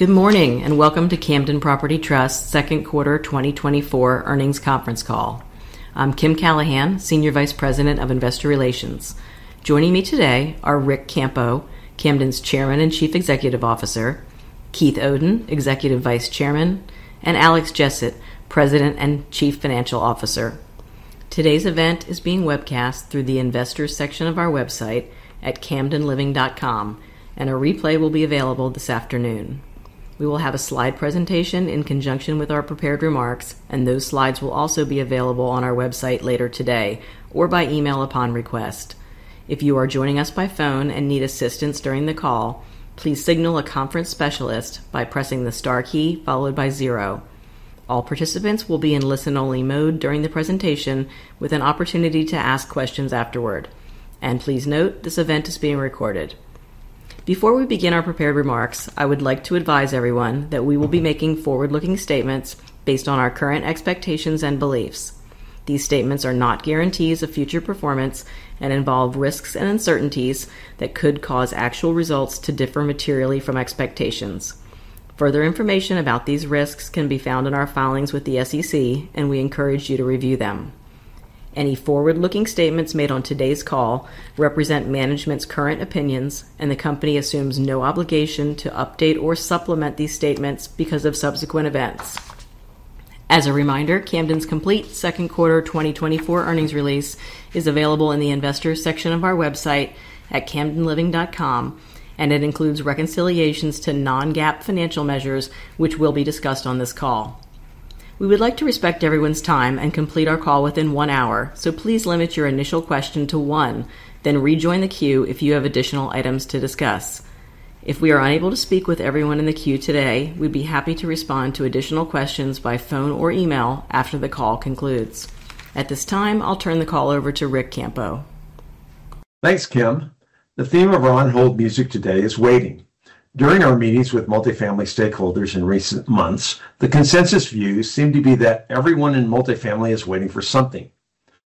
Good morning and welcome to Camden Property Trust's second quarter 2024 earnings conference call. I'm Kim Callahan, Senior Vice President of Investor Relations. Joining me today are Ric Campo, Camden's Chairman and Chief Executive Officer; Keith Oden, Executive Vice Chairman; and Alex Jessett, President and Chief Financial Officer. Today's event is being webcast through the Investors section of our website at camdenliving.com, and a replay will be available this afternoon. We will have a slide presentation in conjunction with our prepared remarks, and those slides will also be available on our website later today or by email upon request. If you are joining us by phone and need assistance during the call, please signal a conference specialist by pressing the star key followed by zero. All participants will be in listen-only mode during the presentation, with an opportunity to ask questions afterward. Please note this event is being recorded. Before we begin our prepared remarks, I would like to advise everyone that we will be making forward-looking statements based on our current expectations and beliefs. These statements are not guarantees of future performance and involve risks and uncertainties that could cause actual results to differ materially from expectations. Further information about these risks can be found in our filings with the SEC, and we encourage you to review them. Any forward-looking statements made on today's call represent management's current opinions, and the company assumes no obligation to update or supplement these statements because of subsequent events. As a reminder, Camden's complete second quarter 2024 earnings release is available in the Investors section of our website at camdenliving.com, and it includes reconciliations to non-GAAP financial measures, which will be discussed on this call. We would like to respect everyone's time and complete our call within one hour, so please limit your initial question to one, then rejoin the queue if you have additional items to discuss. If we are unable to speak with everyone in the queue today, we'd be happy to respond to additional questions by phone or email after the call concludes. At this time, I'll turn the call over to Ric Campo. Thanks, Kim. The theme of our on-hold music today is waiting. During our meetings with multifamily stakeholders in recent months, the consensus view seemed to be that everyone in multifamily is waiting for something.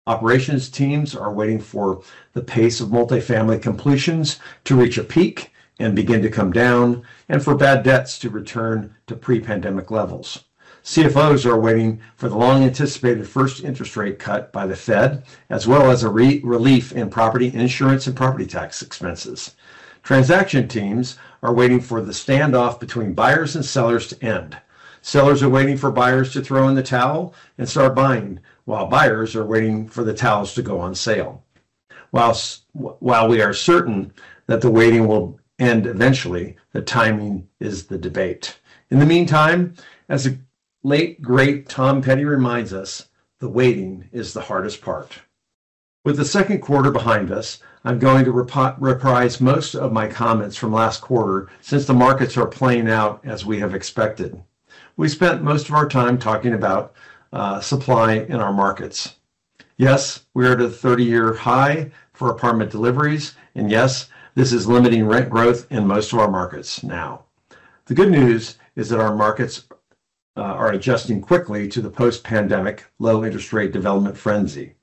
Operations teams are waiting for the pace of multifamily completions to reach a peak and begin to come down, and for bad debts to return to pre-pandemic levels. CFOs are waiting for the long-anticipated first interest rate cut by the Fed, as well as a relief in property insurance and property tax expenses. Transaction teams are waiting for the standoff between buyers and sellers to end. Sellers are waiting for buyers to throw in the towel and start buying, while buyers are waiting for the towels to go on sale. While we are certain that the waiting will end eventually, the timing is the debate. In the meantime, as the late great Tom Petty reminds us, the waiting is the hardest part. With the second quarter behind us, I'm going to reprise most of my comments from last quarter since the markets are playing out as we have expected. We spent most of our time talking about supply in our markets. Yes, we are at a 30-year high for apartment deliveries, and yes, this is limiting rent growth in most of our markets now. The good news is that our markets are adjusting quickly to the post-pandemic low interest rate development frenzy.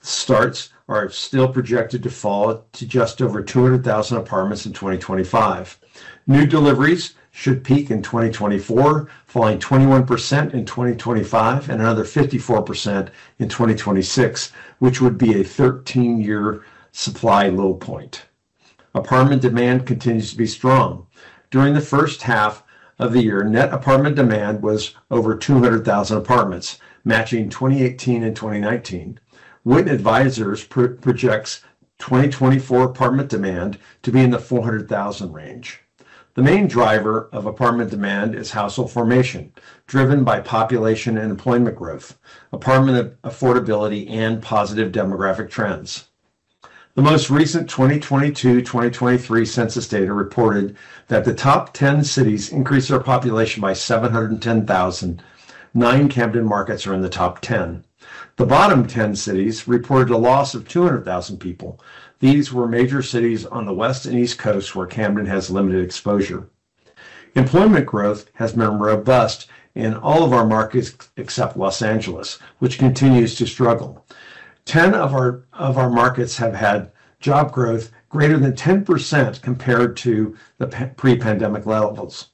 Starts are still projected to fall to just over 200,000 apartments in 2025. New deliveries should peak in 2024, falling 21% in 2025 and another 54% in 2026, which would be a 13-year supply low point. Apartment demand continues to be strong. During the first half of the year, net apartment demand was over 200,000 apartments, matching 2018 and 2019. Witten Advisors projects 2024 apartment demand to be in the 400,000 range. The main driver of apartment demand is household formation, driven by population and employment growth, apartment affordability, and positive demographic trends. The most recent 2022-2023 census data reported that the top 10 cities increased their population by 710,000. Nine Camden markets are in the top 10. The bottom 10 cities reported a loss of 200,000 people. These were major cities on the West and East Coast where Camden has limited exposure. Employment growth has been robust in all of our markets except Los Angeles, which continues to struggle. Ten of our markets have had job growth greater than 10% compared to the pre-pandemic levels.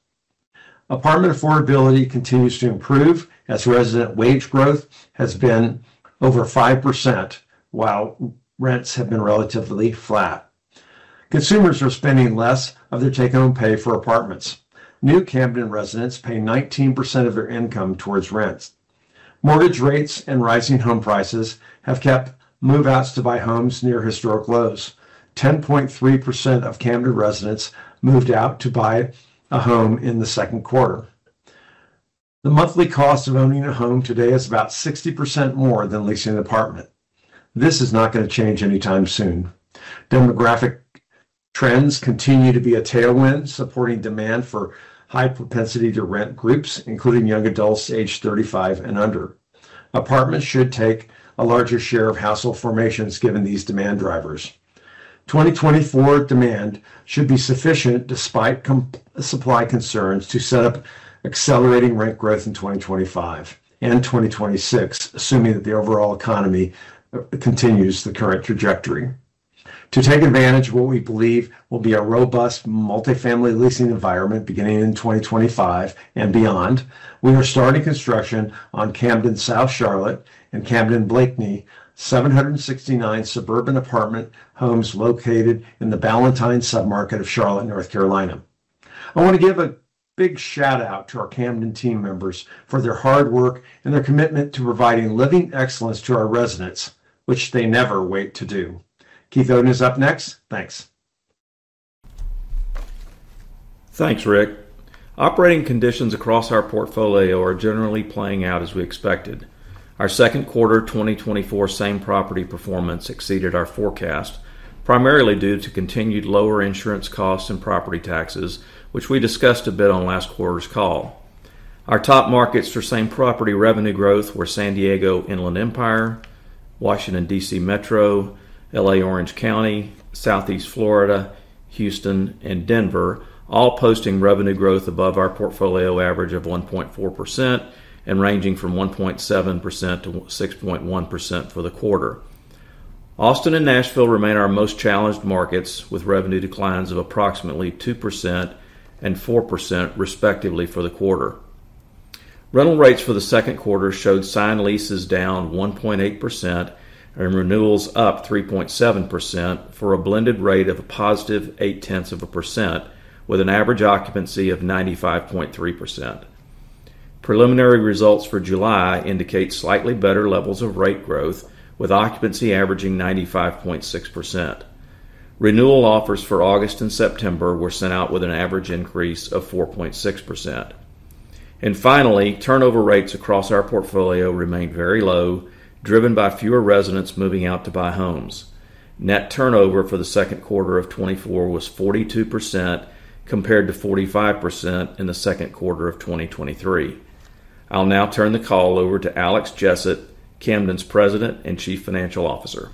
Apartment affordability continues to improve as resident wage growth has been over 5%, while rents have been relatively flat. Consumers are spending less of their take-home pay for apartments. New Camden residents pay 19% of their income towards rents. Mortgage rates and rising home prices have kept move-outs to buy homes near historic lows. 10.3% of Camden residents moved out to buy a home in the second quarter. The monthly cost of owning a home today is about 60% more than leasing an apartment. This is not going to change anytime soon. Demographic trends continue to be a tailwind, supporting demand for high propensity to rent groups, including young adults aged 35 and under. Apartments should take a larger share of household formations given these demand drivers. 2024 demand should be sufficient despite supply concerns to set up accelerating rent growth in 2025 and 2026, assuming that the overall economy continues the current trajectory. To take advantage of what we believe will be a robust multifamily leasing environment beginning in 2025 and beyond, we are starting construction on Camden South Charlotte and Camden Blakeney 769 suburban apartment homes located in the Ballantyne submarket of Charlotte, North Carolina. I want to give a big shout-out to our Camden team members for their hard work and their commitment to providing living excellence to our residents, which they never wait to do. Keith Oden is up next. Thanks. Thanks, Ric. Operating conditions across our portfolio are generally playing out as we expected. Our second quarter 2024 same property performance exceeded our forecast, primarily due to continued lower insurance costs and property taxes, which we discussed a bit on last quarter's call. Our top markets for same property revenue growth were San Diego/Inland Empire, Washington, D.C. Metro, L.A./Orange County, Southeast Florida, Houston, and Denver, all posting revenue growth above our portfolio average of 1.4% and ranging from 1.7%-6.1% for the quarter. Austin and Nashville remain our most challenged markets, with revenue declines of approximately 2% and 4% respectively for the quarter. Rental rates for the second quarter showed signed leases down 1.8% and renewals up 3.7% for a blended rate of a positive 0.8%, with an average occupancy of 95.3%. Preliminary results for July indicate slightly better levels of rate growth, with occupancy averaging 95.6%. Renewal offers for August and September were sent out with an average increase of 4.6%. And finally, turnover rates across our portfolio remained very low, driven by fewer residents moving out to buy homes. Net turnover for the second quarter of 2024 was 42% compared to 45% in the second quarter of 2023. I'll now turn the call over to Alex Jessett, Camden's President and Chief Financial Officer.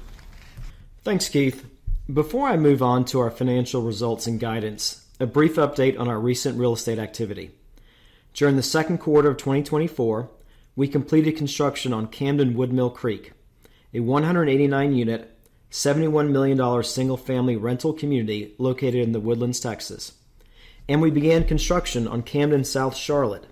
Thanks, Keith. Before I move on to our financial results and guidance, a brief update on our recent real estate activity. During the second quarter of 2024, we completed construction on Camden Woodmill Creek, a 189-unit $71 million single-family rental community located in The Woodlands, Texas. We began construction on Camden South Charlotte,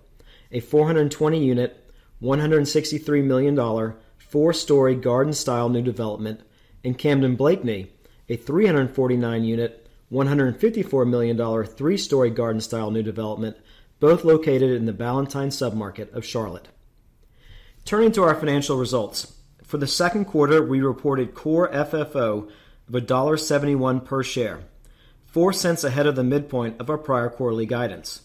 a 420-unit $163 million four-story garden-style new development, and Camden Blakeney, a 349-unit $154 million three-story garden-style new development, both located in the Ballantyne submarket of Charlotte. Turning to our financial results, for the second quarter, we reported Core FFO of $1.71 per share, $0.04 ahead of the midpoint of our prior quarterly guidance.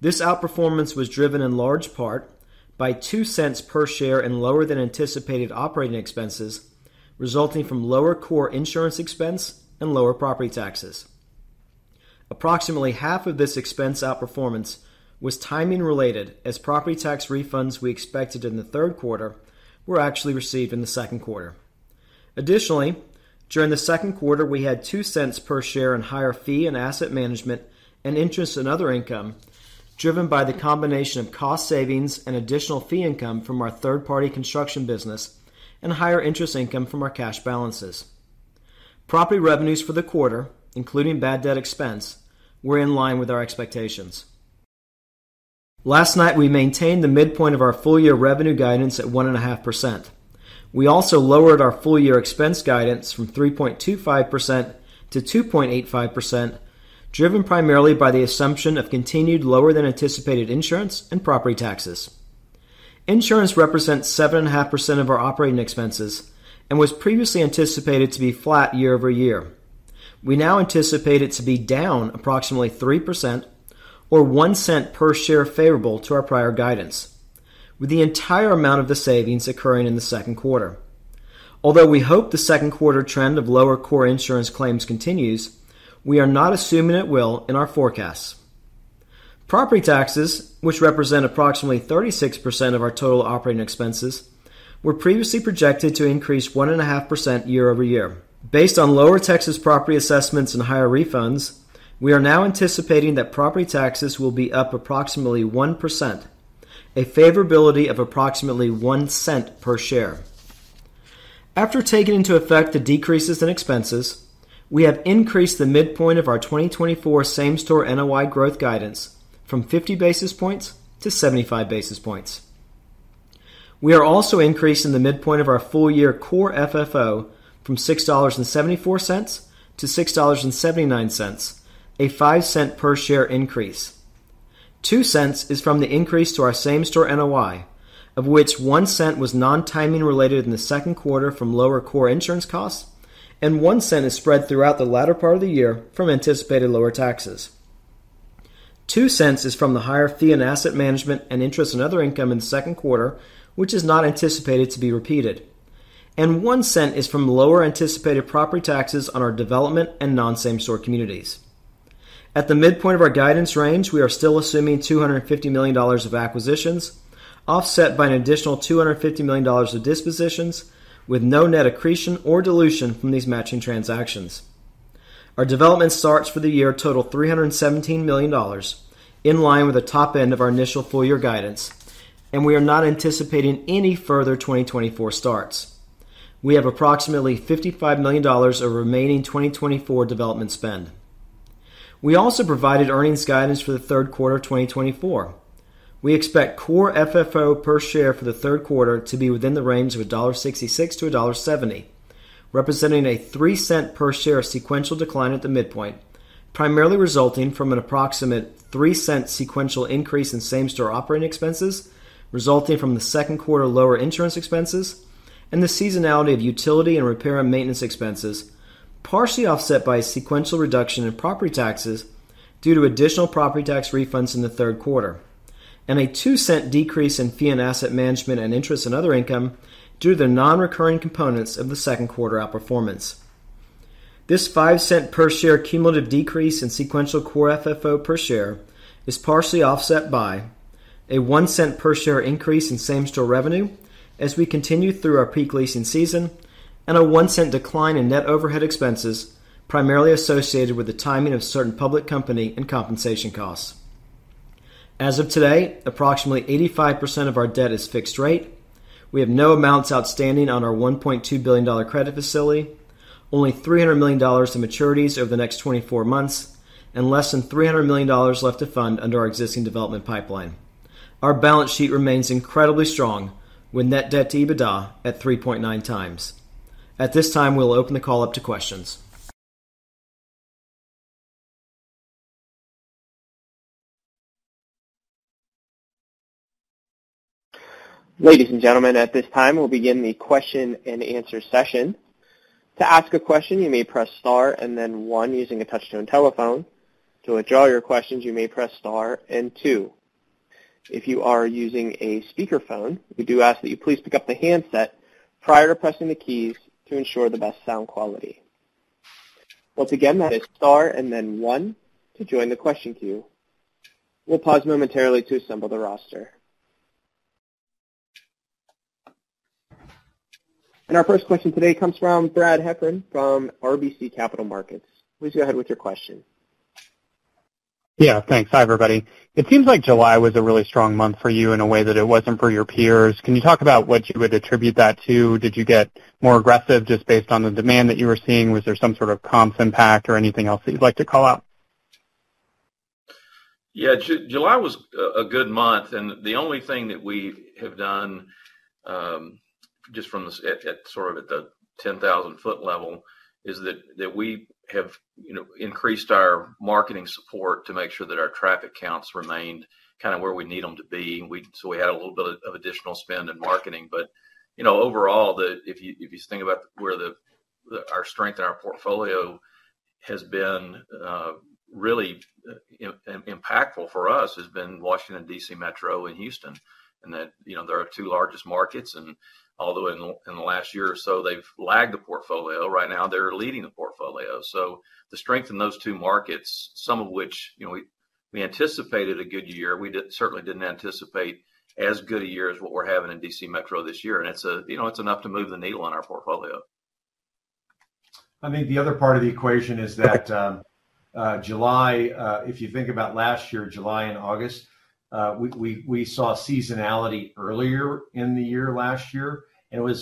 This outperformance was driven in large part by $0.02 per share in lower-than-anticipated operating expenses, resulting from lower core insurance expense and lower property taxes. Approximately half of this expense outperformance was timing-related, as property tax refunds we expected in the third quarter were actually received in the second quarter. Additionally, during the second quarter, we had $0.02 per share in higher fee and asset management and interest and other income, driven by the combination of cost savings and additional fee income from our third-party construction business and higher interest income from our cash balances. Property revenues for the quarter, including bad debt expense, were in line with our expectations. Last night, we maintained the midpoint of our full-year revenue guidance at 1.5%. We also lowered our full-year expense guidance from 3.25%-2.85%, driven primarily by the assumption of continued lower-than-anticipated insurance and property taxes. Insurance represents 7.5% of our operating expenses and was previously anticipated to be flat year-over-year. We now anticipate it to be down approximately 3% or $0.01 per share favorable to our prior guidance, with the entire amount of the savings occurring in the second quarter. Although we hope the second quarter trend of lower core insurance claims continues, we are not assuming it will in our forecasts. Property taxes, which represent approximately 36% of our total operating expenses, were previously projected to increase 1.5% year-over-year. Based on lower Texas property assessments and higher refunds, we are now anticipating that property taxes will be up approximately 1%, a favorability of approximately $0.01 per share. After taking into effect the decreases in expenses, we have increased the midpoint of our 2024 same-store NOI growth guidance from 50 basis points-75 basis points. We are also increasing the midpoint of our full-year core FFO from $6.74-$6.79, a $0.05 per share increase. $0.02 is from the increase to our same-store NOI, of which $0.01 was non-timing-related in the second quarter from lower core insurance costs, and $0.01 is spread throughout the latter part of the year from anticipated lower taxes. $0.02 is from the higher fee and asset management and interest and other income in the second quarter, which is not anticipated to be repeated. $0.01 is from lower anticipated property taxes on our development and non-same-store communities. At the midpoint of our guidance range, we are still assuming $250 million of acquisitions, offset by an additional $250 million of dispositions, with no net accretion or dilution from these matching transactions. Our development starts for the year total $317 million, in line with the top end of our initial full-year guidance, and we are not anticipating any further 2024 starts. We have approximately $55 million of remaining 2024 development spend. We also provided earnings guidance for the third quarter of 2024. We expect core FFO per share for the third quarter to be within the range of $1.66-$1.70, representing a $0.03 per share sequential decline at the midpoint, primarily resulting from an approximate $0.03 sequential increase in same-store operating expenses, resulting from the second quarter lower insurance expenses, and the seasonality of utility and repair and maintenance expenses, partially offset by a sequential reduction in property taxes due to additional property tax refunds in the third quarter, and a $0.02 decrease in fee and asset management and interest and other income due to the non-recurring components of the second quarter outperformance. This $0.05 per share cumulative decrease in sequential Core FFO per share is partially offset by a $0.01 per share increase in same-store revenue as we continue through our peak leasing season and a $0.01 decline in net overhead expenses, primarily associated with the timing of certain public company and compensation costs. As of today, approximately 85% of our debt is fixed rate. We have no amounts outstanding on our $1.2 billion credit facility, only $300 million in maturities over the next 24 months, and less than $300 million left to fund under our existing development pipeline. Our balance sheet remains incredibly strong with net debt to EBITDA at 3.9x. At this time, we'll open the call up to questions. Ladies and gentlemen, at this time, we'll begin the question-and-answer session. To ask a question, you may press Star and then One using a touch-tone telephone. To withdraw your questions, you may press Star and Two. If you are using a speakerphone, we do ask that you please pick up the handset prior to pressing the keys to ensure the best sound quality. Once again, that is Star and then One to join the question queue. We'll pause momentarily to assemble the roster. Our first question today comes from Brad Heffern from RBC Capital Markets. Please go ahead with your question. Yeah, thanks. Hi, everybody. It seems like July was a really strong month for you in a way that it wasn't for your peers. Can you talk about what you would attribute that to? Did you get more aggressive just based on the demand that you were seeing? Was there some sort of comps impact or anything else that you'd like to call out? Yeah, July was a good month. The only thing that we have done just from sort of at the 10,000-foot level is that we have increased our marketing support to make sure that our traffic counts remained kind of where we need them to be. We had a little bit of additional spend in marketing. Overall, if you think about where our strength in our portfolio has been really impactful for us, it's been Washington, D.C. Metro and Houston. And there are two largest markets. And although in the last year or so, they've lagged the portfolio, right now they're leading the portfolio. The strength in those two markets, some of which we anticipated a good year, we certainly didn't anticipate as good a year as what we're having in D.C. Metro this year. And it's enough to move the needle on our portfolio. I think the other part of the equation is that July, if you think about last year, July and August, we saw seasonality earlier in the year last year. And the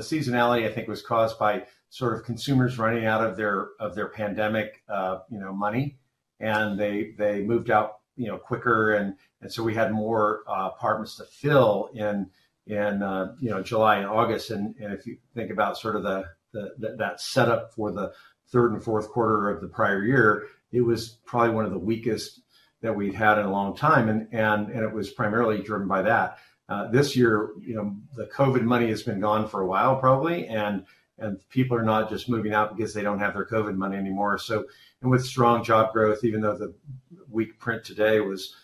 seasonality, I think, was caused by sort of consumers running out of their pandemic money. And they moved out quicker. And so we had more apartments to fill in July and August. And if you think about sort of that setup for the third and fourth quarter of the prior year, it was probably one of the weakest that we've had in a long time. And it was primarily driven by that. This year, the COVID money has been gone for a while, probably. And people are not just moving out because they don't have their COVID money anymore. And with strong job growth, even though the weak print today was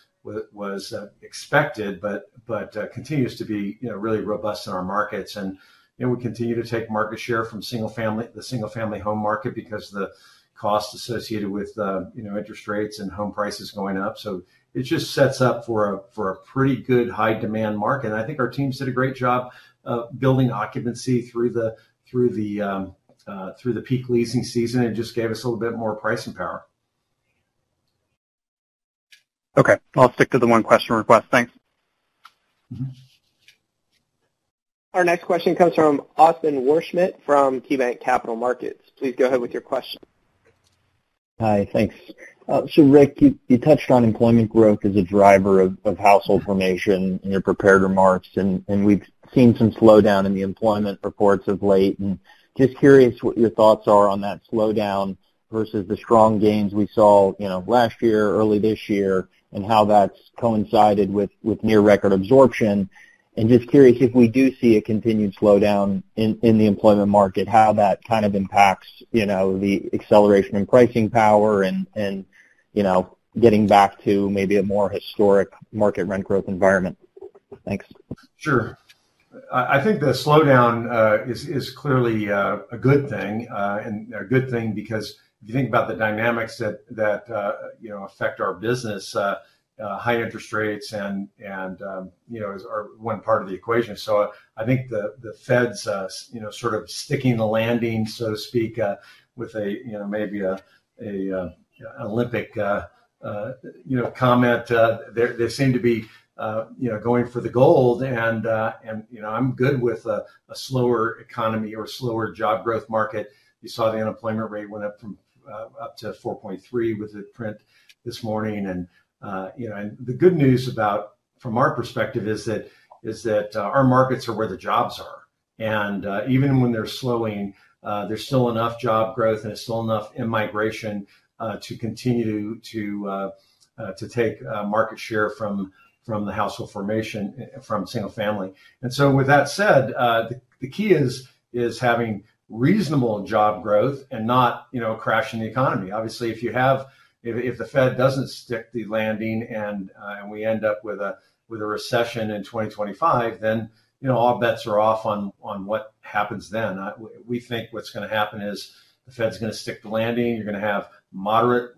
expected, but continues to be really robust in our markets. And we continue to take market share from the single-family home market because of the cost associated with interest rates and home prices going up. So it just sets up for a pretty good high-demand market. And I think our teams did a great job building occupancy through the peak leasing season. It just gave us a little bit more pricing power. Okay. I'll stick to the one question request. Thanks. Our next question comes from Austin Wurschmidt from KeyBanc Capital Markets. Please go ahead with your question. Hi, thanks. So Ric, you touched on employment growth as a driver of household formation in your prepared remarks. We've seen some slowdown in the employment reports of late. Just curious what your thoughts are on that slowdown versus the strong gains we saw last year, early this year, and how that's coincided with near-record absorption. Just curious if we do see a continued slowdown in the employment market, how that kind of impacts the acceleration in pricing power and getting back to maybe a more historic market rent growth environment. Thanks. Sure. I think the slowdown is clearly a good thing. A good thing because if you think about the dynamics that affect our business, high interest rates are one part of the equation. So I think the Fed's sort of sticking the landing, so to speak, with maybe an Olympic comment. They seem to be going for the gold. And I'm good with a slower economy or slower job growth market. You saw the unemployment rate went up to 4.3% with the print this morning. The good news from our perspective is that our markets are where the jobs are. Even when they're slowing, there's still enough job growth and there's still enough immigration to continue to take market share from the household formation from single-family. So with that said, the key is having reasonable job growth and not crashing the economy. Obviously, if the Fed doesn't stick the landing and we end up with a recession in 2025, then all bets are off on what happens then. We think what's going to happen is the Fed's going to stick the landing. You're going to have moderate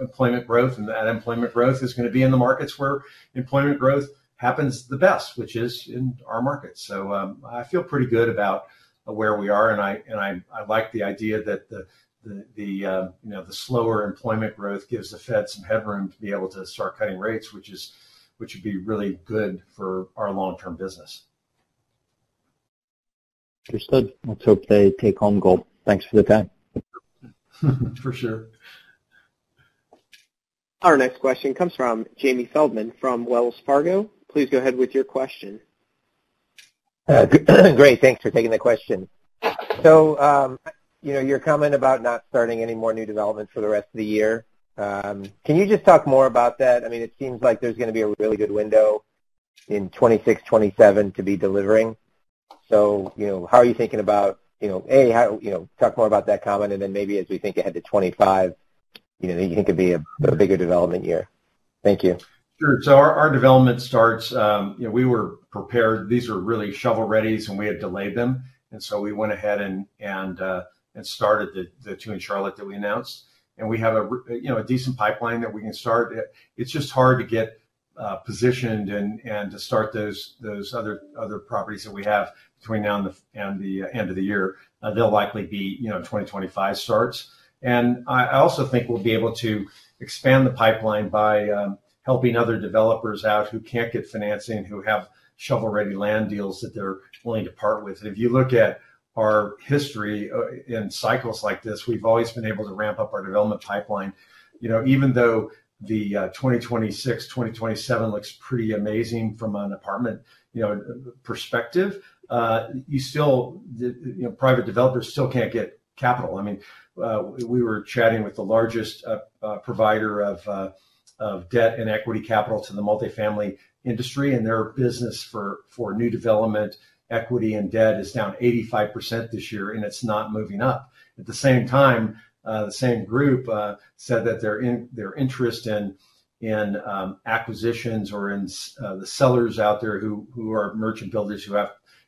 employment growth. That employment growth is going to be in the markets where employment growth happens the best, which is in our markets. I feel pretty good about where we are. I like the idea that the slower employment growth gives the Fed some headroom to be able to start cutting rates, which would be really good for our long-term business. Understood. Let's hope they take home gold. Thanks for the time. For sure. Our next question comes from Jamie Feldman from Wells Fargo. Please go ahead with your question. Great. Thanks for taking the question. So your comment about not starting any more new developments for the rest of the year, can you just talk more about that? I mean, it seems like there's going to be a really good window in 2026, 2027 to be delivering. So how are you thinking about, A, talk more about that comment, and then maybe as we think ahead to 2025, you think it'd be a bigger development year. Thank you. Sure. So our development starts, we were prepared. These were really shovel-ready and we had delayed them. So we went ahead and started the 2 in Charlotte that we announced. And we have a decent pipeline that we can start. It's just hard to get positioned and to start those other properties that we have between now and the end of the year. They'll likely be 2025 starts. And I also think we'll be able to expand the pipeline by helping other developers out who can't get financing, who have shovel-ready land deals that they're willing to part with. And if you look at our history in cycles like this, we've always been able to ramp up our development pipeline. Even though the 2026, 2027 looks pretty amazing from an apartment perspective, private developers still can't get capital. I mean, we were chatting with the largest provider of debt and equity capital to the multifamily industry. And their business for new development, equity, and debt is down 85% this year, and it's not moving up. At the same time, the same group said that their interest in acquisitions or in the sellers out there who are merchant builders who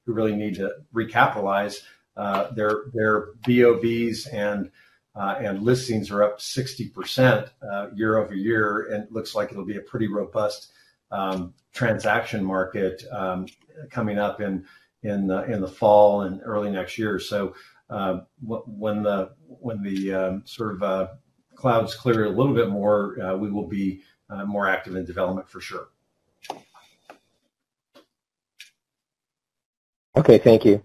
really need to recapitalize, their BOVs and listings are up 60% year-over-year. And it looks like it'll be a pretty robust transaction market coming up in the fall and early next year. So when the sort of clouds clear a little bit more, we will be more active in development for sure. Okay. Thank you.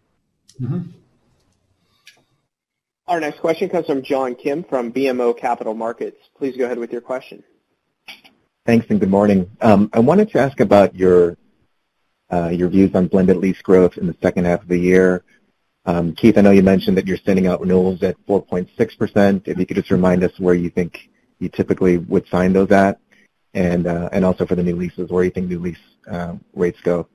Our next question comes from John Kim from BMO Capital Markets. Please go ahead with your question. Thanks and good morning. I wanted to ask about your views on blended lease growth in the second half of the year. Keith, I know you mentioned that you're sending out renewals at 4.6%. If you could just remind us where you think you typically would sign those at. And also for the new leases, where you think new lease rates go?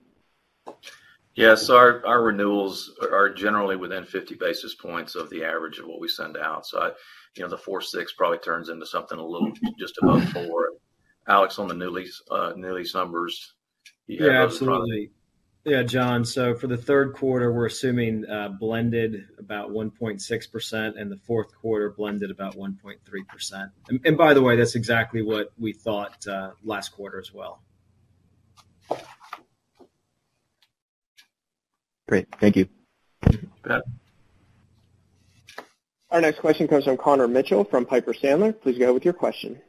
Yeah. So our renewals are generally within 50 basis points of the average of what we send out. So the 4.6 probably turns into something a little just above 4. Alex, on the new lease numbers. Yeah, John. So for the third quarter, we're assuming blended about 1.6% and the fourth quarter blended about 1.3%. And by the way, that's exactly what we thought last quarter as well. Great. Thank you. Our next question comes from Connor Mitchell from Piper Sandler. Please go ahead with your question.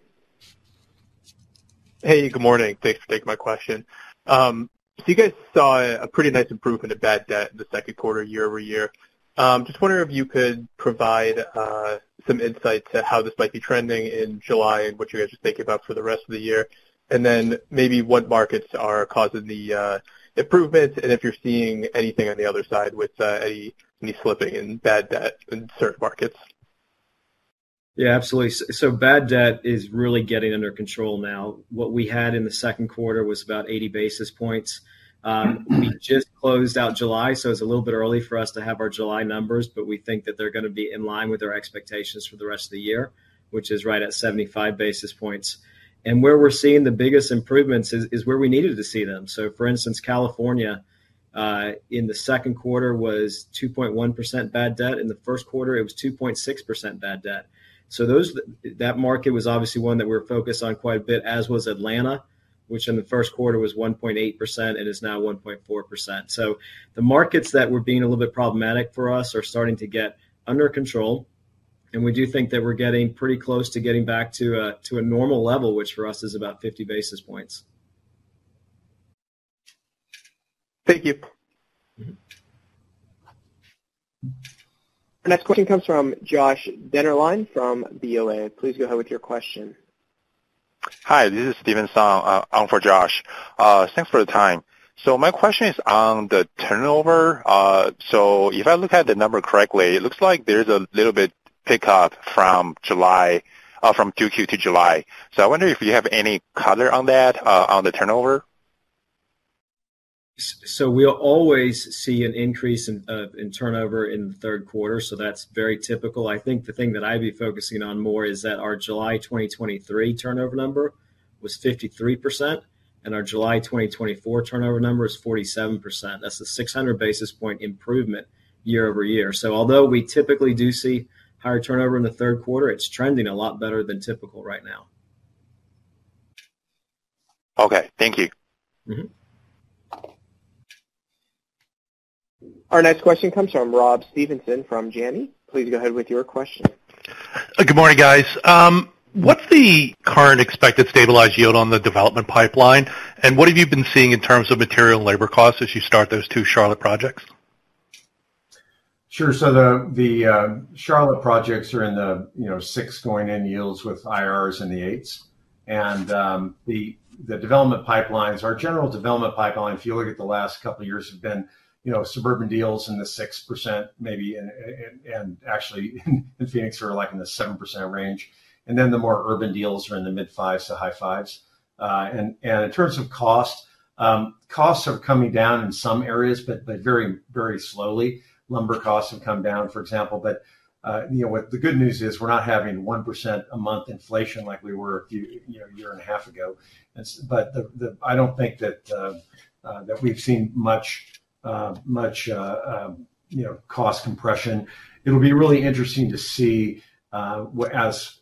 Hey, good morning. Thanks for taking my question. So you guys saw a pretty nice improvement in bad debt in the second quarter year-over-year. Just wondering if you could provide some insight to how this might be trending in July and what you guys are thinking about for the rest of the year. And then maybe what markets are causing the improvements and if you're seeing anything on the other side with any slipping in bad debt in certain markets? Yeah, absolutely. So bad debt is really getting under control now. What we had in the second quarter was about 80 basis points. We just closed out July, so it's a little bit early for us to have our July numbers, but we think that they're going to be in line with our expectations for the rest of the year, which is right at 75 basis points. And where we're seeing the biggest improvements is where we needed to see them. So for instance, California in the second quarter was 2.1% bad debt. In the first quarter, it was 2.6% bad debt. So that market was obviously one that we were focused on quite a bit, as was Atlanta, which in the first quarter was 1.8% and is now 1.4%. So the markets that were being a little bit problematic for us are starting to get under control. We do think that we're getting pretty close to getting back to a normal level, which for us is about 50 basis points. Thank you. Our next question comes from Josh Dennerline from BofA. Please go ahead with your question. Hi, this is Steven Song for Josh. Thanks for the time. My question is on the turnover. If I look at the number correctly, it looks like there's a little bit pick up from Q2 to July. I wonder if you have any color on that, on the turnover. So we'll always see an increase in turnover in the third quarter. So that's very typical. I think the thing that I'd be focusing on more is that our July 2023 turnover number was 53%, and our July 2024 turnover number is 47%. That's a 600 basis point improvement year-over-year. So although we typically do see higher turnover in the third quarter, it's trending a lot better than typical right now. Okay. Thank you. Our next question comes from Rob Stevenson from Janney. Please go ahead with your question. Good morning, guys. What's the current expected stabilized yield on the development pipeline? And what have you been seeing in terms of material and labor costs as you start those two Charlotte projects? Sure. So the Charlotte projects are in the 6% going in yields with IRRs in the 8s. And the development pipelines, our general development pipeline, if you look at the last couple of years, have been suburban deals in the 6% maybe, and actually in Phoenix, we're like in the 7% range. And then the more urban deals are in the mid-5s to high-5s. And in terms of cost, costs are coming down in some areas, but very, very slowly. Lumber costs have come down, for example. But the good news is we're not having 1% a month inflation like we were a year and a half ago. But I don't think that we've seen much cost compression. It'll be really interesting to see as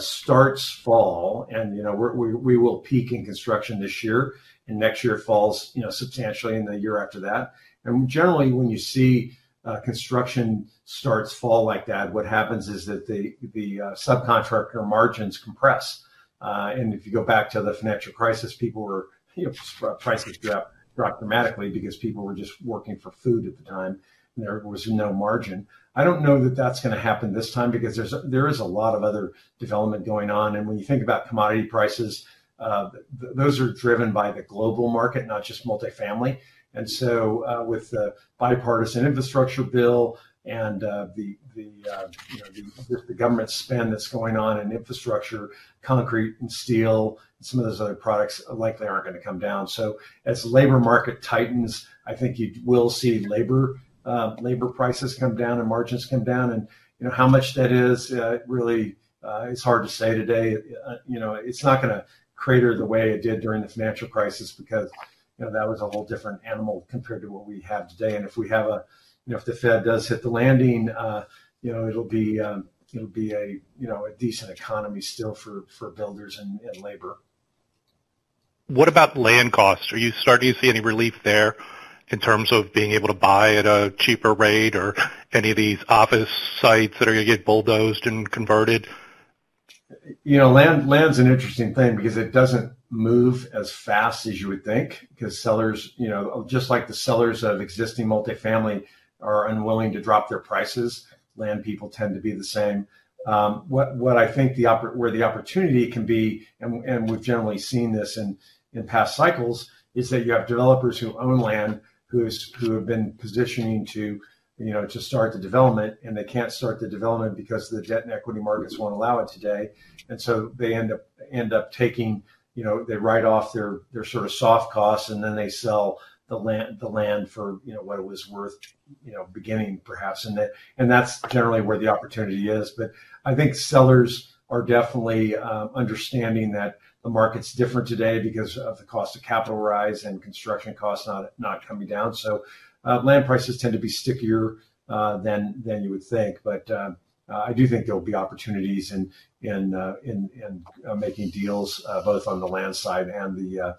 starts fall. And we will peak in construction this year. And next year falls substantially in the year after that. Generally, when you see construction starts fall like that, what happens is that the subcontractor margins compress. And if you go back to the financial crisis, prices dropped dramatically because people were just working for food at the time. And there was no margin. I don't know that that's going to happen this time because there is a lot of other development going on. And when you think about commodity prices, those are driven by the global market, not just multifamily. And so with the bipartisan infrastructure bill and the government spend that's going on in infrastructure, concrete and steel, some of those other products likely aren't going to come down. So as the labor market tightens, I think you will see labor prices come down and margins come down. And how much that is, really, it's hard to say today. It's not going to crater the way it did during the financial crisis because that was a whole different animal compared to what we have today. And if we have, if the Fed does hit the landing, it'll be a decent economy still for builders and labor. What about land costs? Are you starting to see any relief there in terms of being able to buy at a cheaper rate or any of these office sites that are going to get bulldozed and converted? Land's an interesting thing because it doesn't move as fast as you would think because sellers, just like the sellers of existing multifamily, are unwilling to drop their prices. Land people tend to be the same. What I think where the opportunity can be, and we've generally seen this in past cycles, is that you have developers who own land who have been positioning to start the development, and they can't start the development because the debt and equity markets won't allow it today. So they end up taking, they write off their sort of soft costs, and then they sell the land for what it was worth beginning, perhaps. That's generally where the opportunity is. But I think sellers are definitely understanding that the market's different today because of the cost of capital rise and construction costs not coming down. Land prices tend to be stickier than you would think. I do think there'll be opportunities in making deals both on the land side and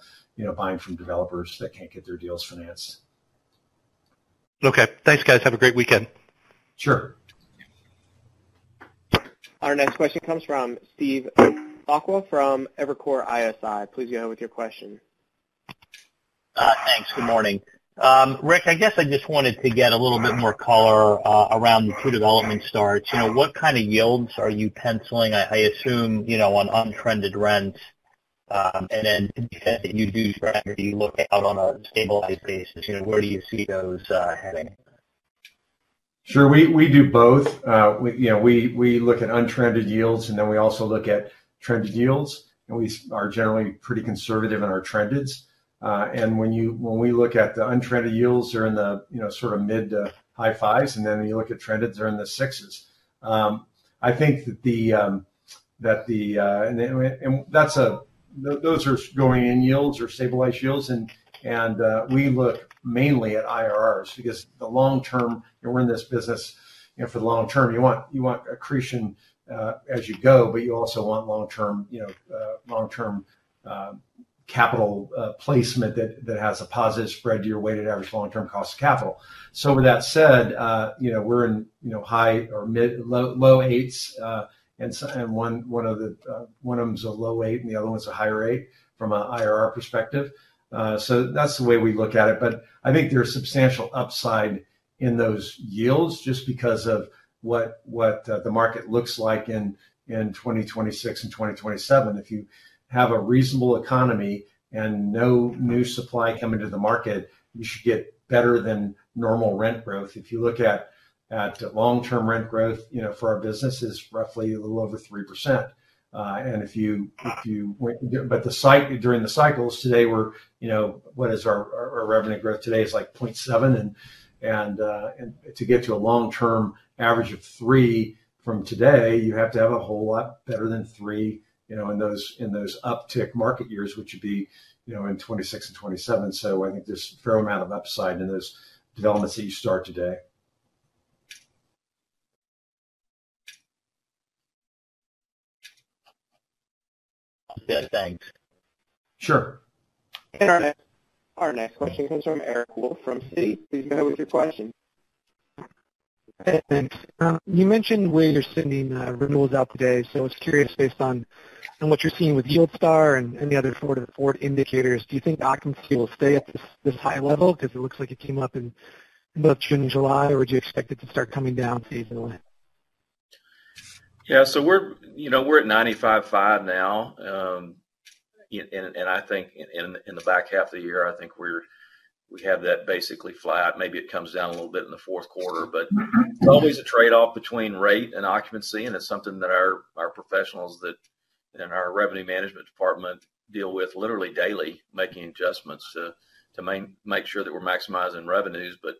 buying from developers that can't get their deals financed. Okay. Thanks, guys. Have a great weekend. Sure. Our next question comes from Steve Sakwa from Evercore ISI. Please go ahead with your question. Thanks. Good morning. Ric, I guess I just wanted to get a little bit more color around the two development starts. What kind of yields are you penciling, I assume, on untrended rents? Then you do look out on a stabilized basis. Where do you see those heading? Sure. We do both. We look at untrended yields, and then we also look at trended yields. We are generally pretty conservative in our trended. When we look at the untrended yields, they're in the sort of mid- to high 5s. Then when you look at trended, they're in the 6s. I think that the, those are going in yields or stabilized yields. We look mainly at IRRs because the long-term, we're in this business for the long-term. You want accretion as you go, but you also want long-term capital placement that has a positive spread to your weighted average long-term cost of capital. So with that said, we're in high or low 8s. One of them is a low 8, and the other one is a higher 8 from an IRR perspective. So that's the way we look at it. But I think there's substantial upside in those yields just because of what the market looks like in 2026 and 2027. If you have a reasonable economy and no new supply coming to the market, you should get better than normal rent growth. If you look at long-term rent growth for our businesses, roughly a little over 3%. And if you—during the cycles today, what is our revenue growth today is like 0.7%. And to get to a long-term average of 3 from today, you have to have a whole lot better than 3 in those uptick market years, which would be in 2026 and 2027. So I think there's a fair amount of upside in those developments that you start today. Yeah. Thanks. Sure. Our next question comes from Eric Wolfe from Citi. Please go ahead with your question. Thanks. You mentioned where you're sending renewals out today. I was curious based on what you're seeing with YieldStar and the other four indicators. Do you think options will stay at this high level because it looks like it came up in both June and July? Or would you expect it to start coming down seasonally? Yeah. So we're at 95.5% now. And I think in the back half of the year, I think we have that basically flat. Maybe it comes down a little bit in the fourth quarter. But it's always a trade-off between rate and occupancy. And it's something that our professionals in our revenue management department deal with literally daily, making adjustments to make sure that we're maximizing revenues. But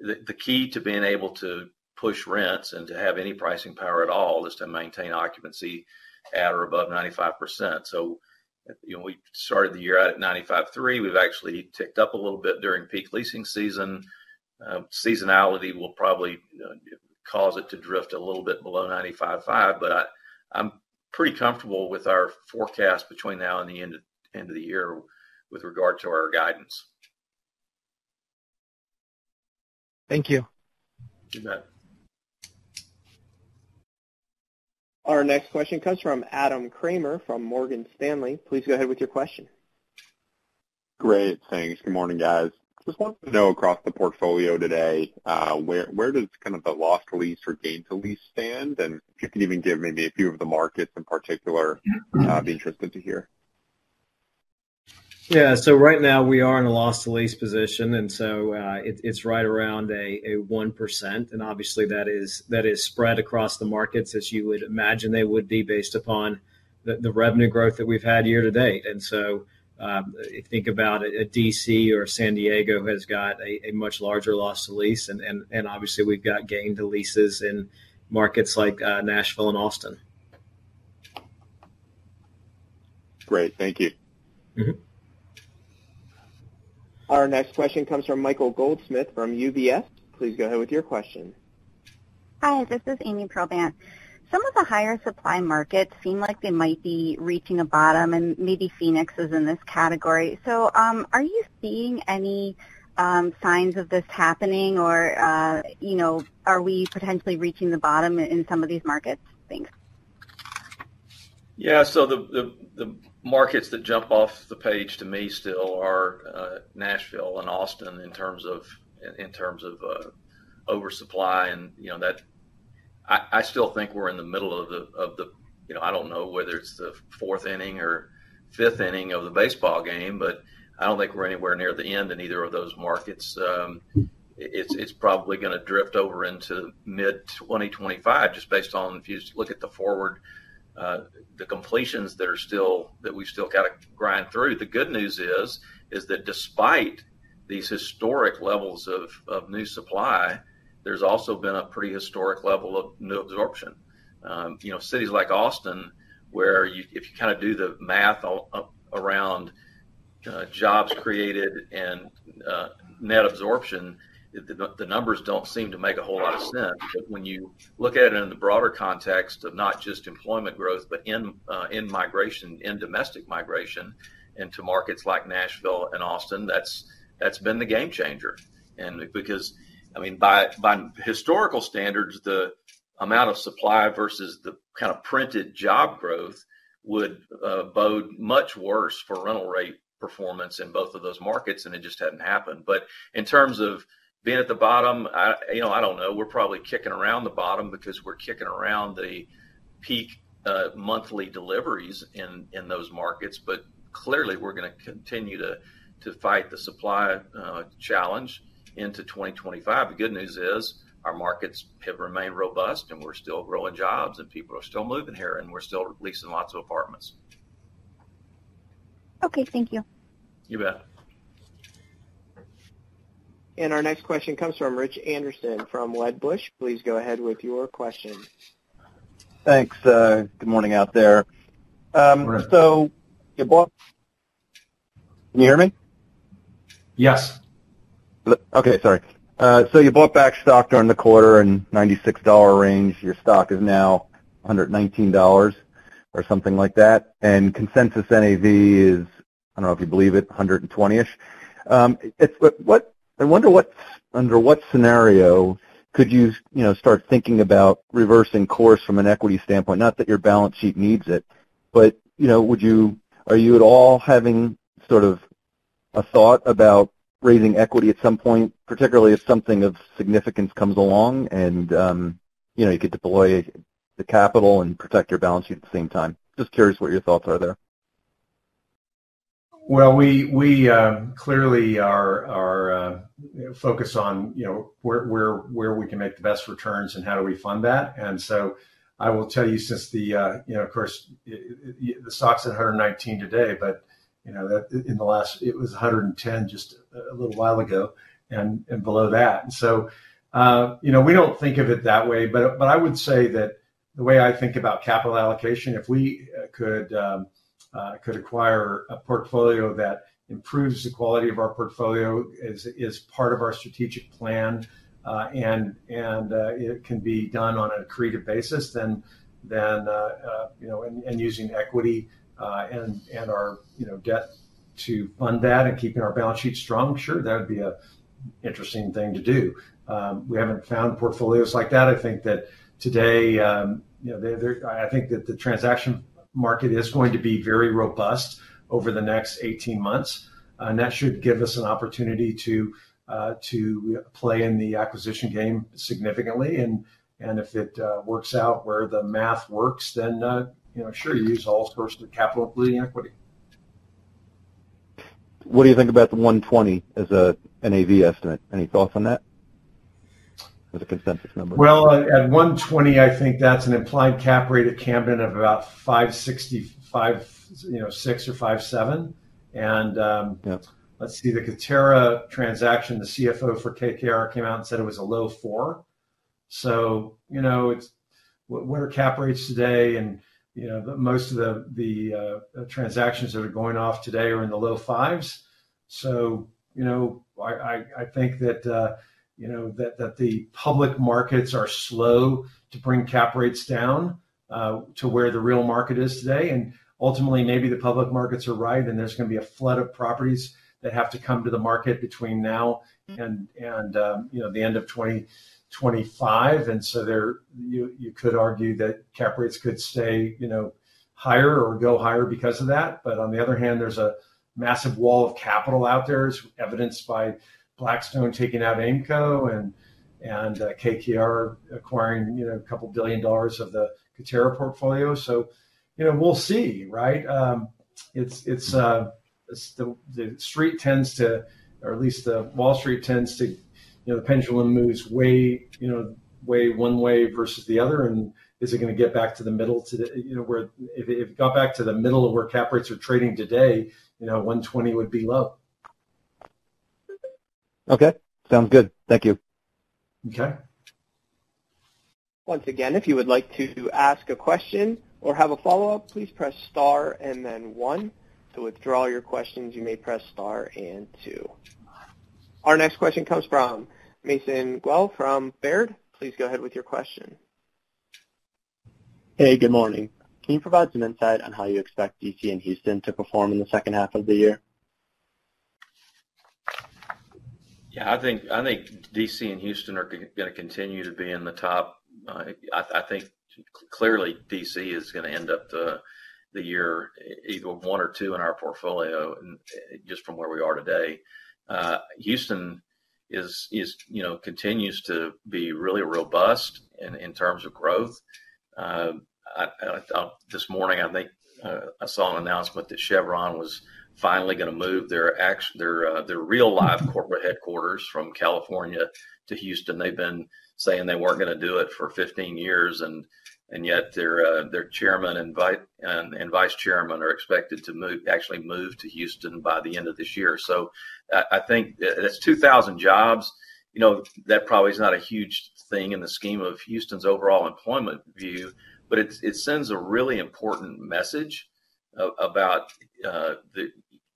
the key to being able to push rents and to have any pricing power at all is to maintain occupancy at or above 95%. So we started the year out at 95.3%. We've actually ticked up a little bit during peak leasing season. Seasonality will probably cause it to drift a little bit below 95.5%. But I'm pretty comfortable with our forecast between now and the end of the year with regard to our guidance. Thank you. You bet. Our next question comes from Adam Kramer from Morgan Stanley. Please go ahead with your question. Great. Thanks. Good morning, guys. Just wanted to know, across the portfolio today, where does kind of the loss-to-lease or gain-to-lease stand? And if you could even give maybe a few of the markets in particular, I'd be interested to hear. Yeah. So right now, we are in a loss-to-lease position. And so it's right around 1%. And obviously, that is spread across the markets as you would imagine they would be based upon the revenue growth that we've had year to date. And so think about a D.C. or San Diego has got a much larger loss-to-lease. And obviously, we've got gain-to-lease in markets like Nashville and Austin. Great. Thank you. Our next question comes from Michael Goldsmith from UBS. Please go ahead with your question. Hi. This is Ami Probandt. Some of the higher supply markets seem like they might be reaching a bottom, and maybe Phoenix is in this category. So are you seeing any signs of this happening? Or are we potentially reaching the bottom in some of these markets? Thanks. Yeah. So the markets that jump off the page to me still are Nashville and Austin in terms of oversupply. And I still think we're in the middle of the—I don't know whether it's the fourth inning or fifth inning of the baseball game, but I don't think we're anywhere near the end in either of those markets. It's probably going to drift over into mid-2025 just based on if you look at the forward, the completions that we still got to grind through. The good news is that despite these historic levels of new supply, there's also been a pretty historic level of new absorption. Cities like Austin, where if you kind of do the math around jobs created and net absorption, the numbers don't seem to make a whole lot of sense. But when you look at it in the broader context of not just employment growth, but in migration, in domestic migration into markets like Nashville and Austin, that's been the game changer. And because, I mean, by historical standards, the amount of supply versus the kind of printed job growth would bode much worse for rental rate performance in both of those markets. And it just hadn't happened. But in terms of being at the bottom, I don't know. We're probably kicking around the bottom because we're kicking around the peak monthly deliveries in those markets. But clearly, we're going to continue to fight the supply challenge into 2025. The good news is our markets have remained robust, and we're still growing jobs, and people are still moving here, and we're still leasing lots of apartments. Okay. Thank you. You bet. Our next question comes from Rich Anderson from Wedbush. Please go ahead with your question. Thanks. Good morning out there. So you bought. Can you hear me? Yes. Okay. Sorry. So you bought back stock during the quarter in the $96 range. Your stock is now $119 or something like that. And Consensus NAV is, I don't know if you believe it, 120-ish. I wonder under what scenario could you start thinking about reversing course from an equity standpoint? Not that your balance sheet needs it, but are you at all having sort of a thought about raising equity at some point, particularly if something of significance comes along and you could deploy the capital and protect your balance sheet at the same time? Just curious what your thoughts are there. Well, we clearly are focused on where we can make the best returns and how do we fund that. And so I will tell you, since, of course, the stock's at 119 today, but in the last, it was 110 just a little while ago and below that. And so we don't think of it that way. But I would say that the way I think about capital allocation, if we could acquire a portfolio that improves the quality of our portfolio as part of our strategic plan, and it can be done on an accretive basis, then and using equity and our debt to fund that and keeping our balance sheet strong, sure, that would be an interesting thing to do. We haven't found portfolios like that. I think that today, I think that the transaction market is going to be very robust over the next 18 months. And that should give us an opportunity to play in the acquisition game significantly. And if it works out where the math works, then sure, use all sources of capital including equity. What do you think about the $120 as an NAV estimate? Any thoughts on that as a consensus number? Well, at 120, I think that's an implied cap rate at Camden of about 5.66% or 5.7%. And let's see. The Quarterra transaction, the CFO for KKR came out and said it was a low 4%. So what are cap rates today? And most of the transactions that are going off today are in the low 5s%. So I think that the public markets are slow to bring cap rates down to where the real market is today. And ultimately, maybe the public markets are right, and there's going to be a flood of properties that have to come to the market between now and the end of 2025. And so you could argue that cap rates could stay higher or go higher because of that. But on the other hand, there's a massive wall of capital out there, as evidenced by Blackstone taking out AIR Communities and KKR acquiring $2 billion of the Quarterra portfolio. So we'll see, right? The street tends to, or at least the Wall Street tends to, the pendulum moves way one way versus the other. And is it going to get back to the middle today? If it got back to the middle of where cap rates are trading today, 120 would be low. Okay. Sounds good. Thank you. Okay. Once again, if you would like to ask a question or have a follow-up, please press star and then one. To withdraw your questions, you may press star and two. Our next question comes from Mason Guell from Baird. Please go ahead with your question. Hey, good morning. Can you provide some insight on how you expect D.C. and Houston to perform in the second half of the year? Yeah. I think D.C. and Houston are going to continue to be in the top. I think clearly D.C. is going to end up the year either one or two in our portfolio just from where we are today. Houston continues to be really robust in terms of growth. This morning, I think I saw an announcement that Chevron was finally going to move their real-life corporate headquarters from California to Houston. They've been saying they weren't going to do it for 15 years. And yet their chairman and vice chairman are expected to actually move to Houston by the end of this year. So I think that's 2,000 jobs. That probably is not a huge thing in the scheme of Houston's overall employment view. But it sends a really important message about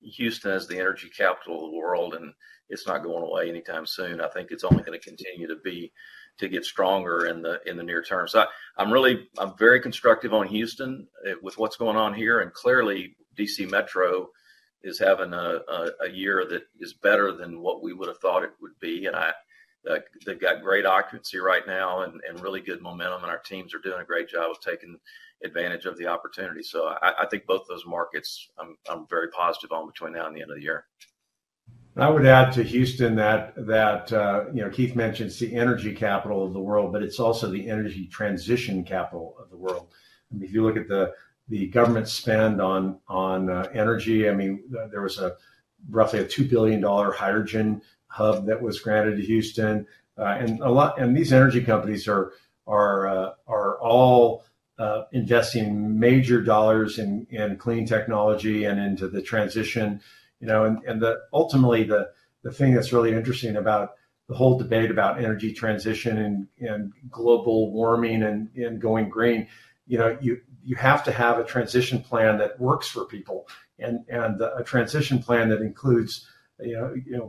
Houston as the energy capital of the world. And it's not going away anytime soon. I think it's only going to continue to get stronger in the near term. So I'm very constructive on Houston with what's going on here. And clearly, D.C. Metro is having a year that is better than what we would have thought it would be. And they've got great occupancy right now and really good momentum. And our teams are doing a great job of taking advantage of the opportunity. So I think both those markets, I'm very positive on between now and the end of the year. I would add to Houston that Keith mentioned the energy capital of the world, but it's also the energy transition capital of the world. If you look at the government spend on energy, I mean, there was roughly a $2 billion hydrogen hub that was granted to Houston. And these energy companies are all investing major dollars in clean technology and into the transition. And ultimately, the thing that's really interesting about the whole debate about energy transition and global warming and going green, you have to have a transition plan that works for people. And a transition plan that includes it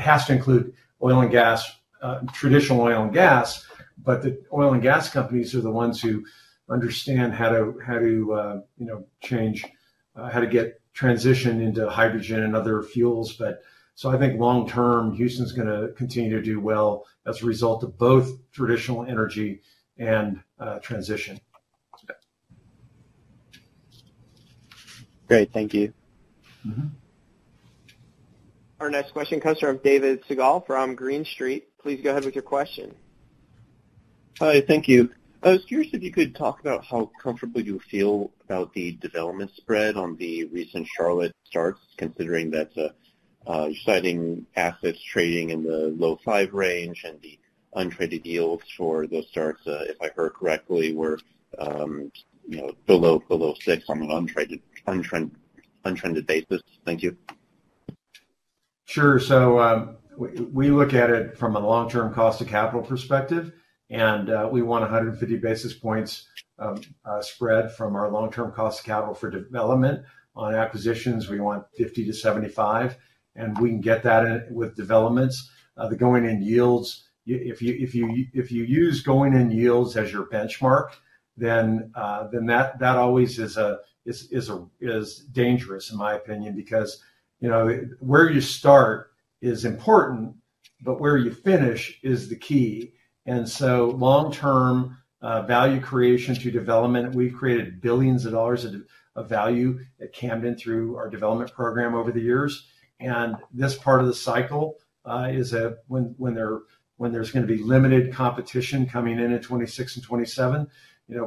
has to include oil and gas, traditional oil and gas. But the oil and gas companies are the ones who understand how to change, how to get transition into hydrogen and other fuels. I think long term, Houston's going to continue to do well as a result of both traditional energy and transition. Okay. Great. Thank you. Our next question comes from David Segall from Green Street. Please go ahead with your question. Hi. Thank you. I was curious if you could talk about how comfortable you feel about the development spread on the recent Charlotte starts, considering that you're citing assets trading in the low 5 range and the unlevered yields for those starts, if I heard correctly, were below 6 on an unlevered basis. Thank you. Sure. So we look at it from a long-term cost of capital perspective. We want 150 basis points spread from our long-term cost of capital for development. On acquisitions, we want 50-75. We can get that with developments. The going-in yields, if you use going-in yields as your benchmark, then that always is dangerous, in my opinion, because where you start is important, but where you finish is the key. Long-term value creation to development, we've created billions of dollars of value at Camden through our development program over the years. This part of the cycle is when there's going to be limited competition coming in at 2026 and 2027.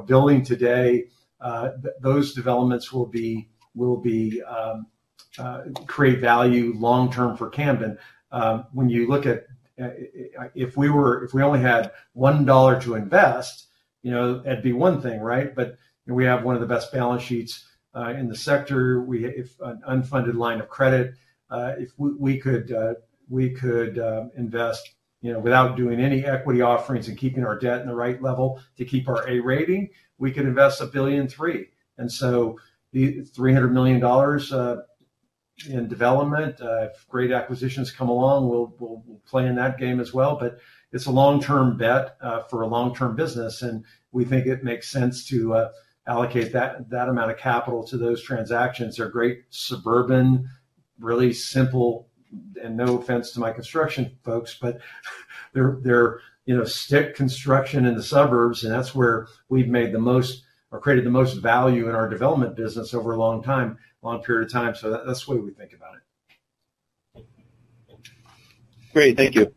Building today, those developments will create value long-term for Camden. When you look at if we only had $1 to invest, it'd be one thing, right? But we have one of the best balance sheets in the sector. We have an unfunded line of credit. If we could invest without doing any equity offerings and keeping our debt in the right level to keep our A rating, we could invest $1.3 billion. And so $300 million in development, if great acquisitions come along, we'll play in that game as well. But it's a long-term bet for a long-term business. And we think it makes sense to allocate that amount of capital to those transactions. They're great suburban, really simple, and no offense to my construction folks, but they're stick construction in the suburbs. And that's where we've made the most or created the most value in our development business over a long period of time. So that's the way we think about it. Great. Thank you.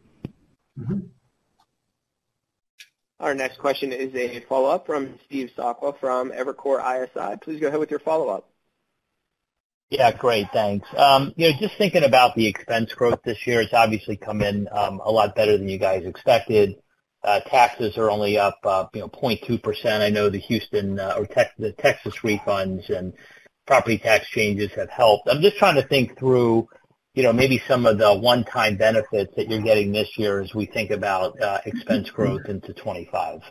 Our next question is a follow-up from Steve Sakwa from Evercore ISI. Please go ahead with your follow-up. Yeah. Great. Thanks. Just thinking about the expense growth this year, it's obviously come in a lot better than you guys expected. Taxes are only up 0.2%. I know the Texas refunds and property tax changes have helped. I'm just trying to think through maybe some of the one-time benefits that you're getting this year as we think about expense growth into 2025.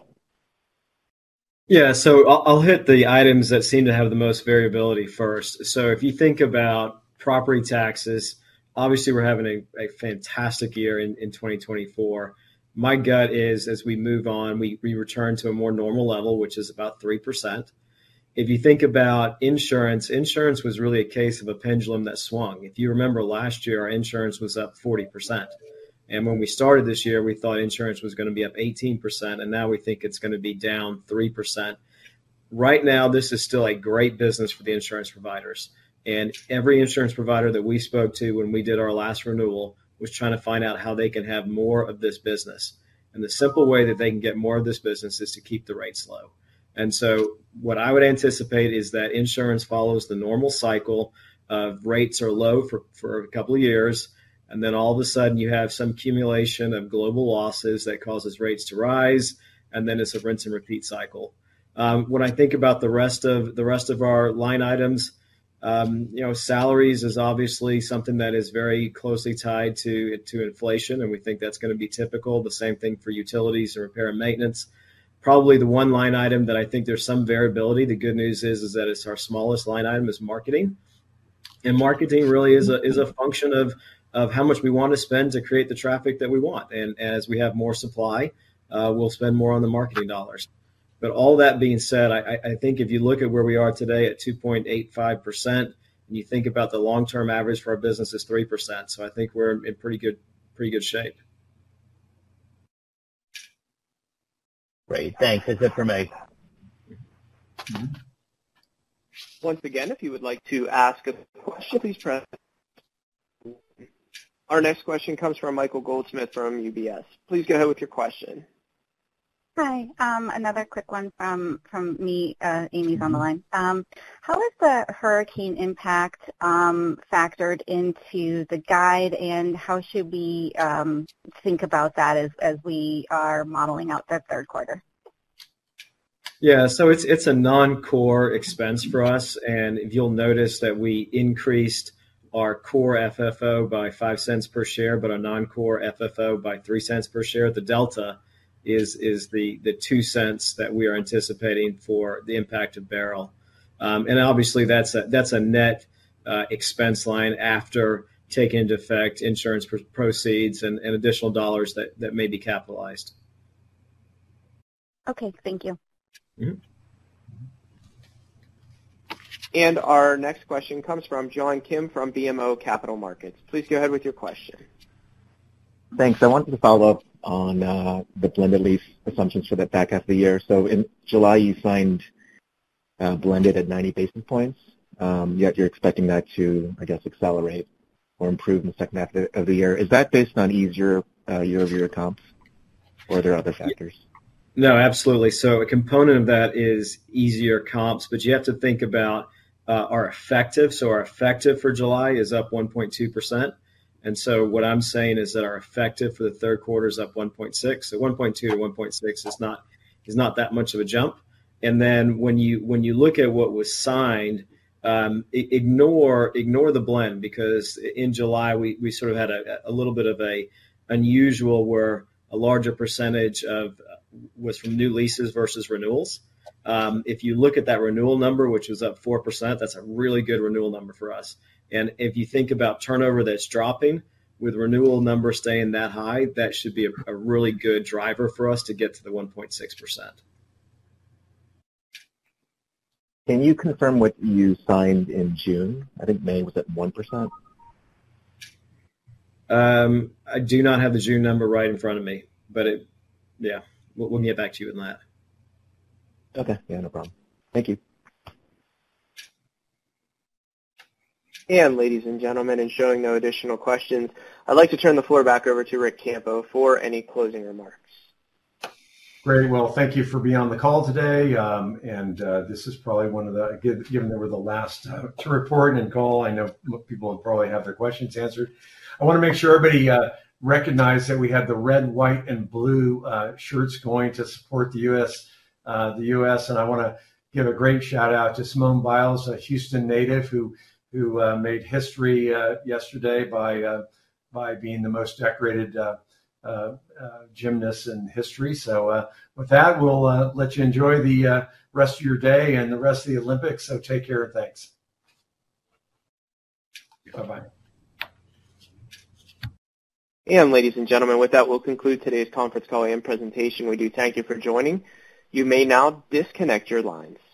Yeah. So I'll hit the items that seem to have the most variability first. So if you think about property taxes, obviously, we're having a fantastic year in 2024. My gut is, as we move on, we return to a more normal level, which is about 3%. If you think about insurance, insurance was really a case of a pendulum that swung. If you remember last year, our insurance was up 40%. And when we started this year, we thought insurance was going to be up 18%. And now we think it's going to be down 3%. Right now, this is still a great business for the insurance providers. And every insurance provider that we spoke to when we did our last renewal was trying to find out how they can have more of this business. The simple way that they can get more of this business is to keep the rates low. So what I would anticipate is that insurance follows the normal cycle of rates are low for a couple of years. Then all of a sudden, you have some accumulation of global losses that causes rates to rise. Then it's a rinse and repeat cycle. When I think about the rest of our line items, salaries is obviously something that is very closely tied to inflation. We think that's going to be typical. The same thing for utilities and repair and maintenance. Probably the one line item that I think there's some variability, the good news is that it's our smallest line item is marketing. Marketing really is a function of how much we want to spend to create the traffic that we want. As we have more supply, we'll spend more on the marketing dollars. All that being said, I think if you look at where we are today at 2.85%, and you think about the long-term average for our business is 3%. I think we're in pretty good shape. Great. Thanks. That's it for me. Once again, if you would like to ask a question, please try. Our next question comes from Michael Goldsmith from UBS. Please go ahead with your question. Hi. Another quick one from me. Ami’s on the line. How has the hurricane impact factored into the guide? And how should we think about that as we are modeling out that third quarter? Yeah. So it's a non-core expense for us. You'll notice that we increased our Core FFO by $0.05 per share, but our non-Core FFO by $0.03 per share. The delta is the $0.02 that we are anticipating for the impact of Beryl. And obviously, that's a net expense line after taking into effect insurance proceeds and additional dollars that may be capitalized. Okay. Thank you. Our next question comes from John Kim from BMO Capital Markets. Please go ahead with your question. Thanks. I wanted to follow up on the blended lease assumptions for that back half of the year. So in July, you signed blended at 90 basis points. Yet you're expecting that to, I guess, accelerate or improve in the second half of the year. Is that based on easier year-over-year comps or are there other factors? No. Absolutely. So a component of that is easier comps. But you have to think about our effective. So our effective for July is up 1.2%. And so what I'm saying is that our effective for the third quarter is up 1.6%. So 1.2%-1.6% is not that much of a jump. And then when you look at what was signed, ignore the blend because in July, we sort of had a little bit of an unusual where a larger percentage was from new leases versus renewals. If you look at that renewal number, which was up 4%, that's a really good renewal number for us. And if you think about turnover that's dropping with renewal numbers staying that high, that should be a really good driver for us to get to the 1.6%. Can you confirm what you signed in June? I think May was at 1%. I do not have the June number right in front of me. But yeah, we'll get back to you on that. Okay. Yeah. No problem. Thank you. Ladies and gentlemen, seeing no additional questions, I'd like to turn the floor back over to Ric Campo for any closing remarks. Great. Well, thank you for being on the call today. This is probably one of the, given that we're the last to report and call, I know people will probably have their questions answered. I want to make sure everybody recognized that we had the red, white, and blue shirts going to support the U.S. I want to give a great shout-out to Simone Biles, a Houston native who made history yesterday by being the most decorated gymnast in history. So with that, we'll let you enjoy the rest of your day and the rest of the Olympics. So take care and thanks. Bye-bye. Ladies and gentlemen, with that, we'll conclude today's conference call and presentation. We do thank you for joining. You may now disconnect your lines.